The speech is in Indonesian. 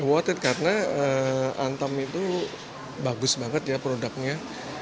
ewarded karena antam itu bagus banget ya produknya